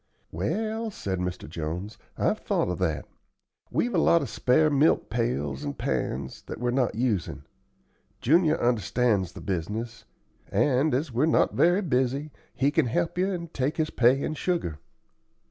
"Well," said Mr. Jones, "I've thought of that. We've a lot of spare milk pails and pans, that we're not usin'. Junior understands the business; and, as we're not very busy, he can help you and take his pay in sugar."